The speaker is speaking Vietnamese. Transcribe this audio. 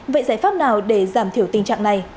vậy giải pháp nào để giảm thiểu tình trạng này